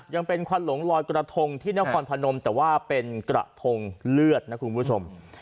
ยังเป็นควันหลงลอยกระทงที่นครพนมแต่ว่าเป็นกระทงเลือดนะคุณผู้ชม